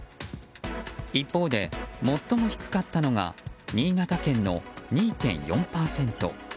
一方で、最も低かったのが新潟県の２．４％。